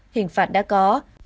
hình phạt đã có